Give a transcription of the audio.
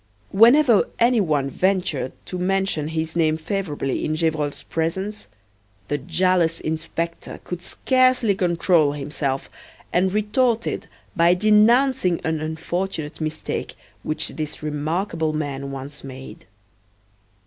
Whenever any one ventured to mention his name favorably in Gevrol's presence, the jealous inspector could scarcely control himself, and retorted by denouncing an unfortunate mistake which this remarkable man once made.